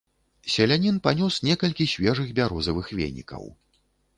Селянін панёс некалькі свежых бярозавых венікаў.